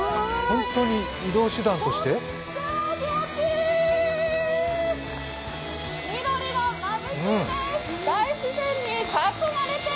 本当に移動手段として？